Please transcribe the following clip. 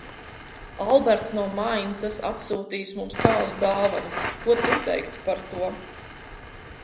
Alberts no Maincas atsūtījis mums kāzu dāvanu, ko tu teiktu par to?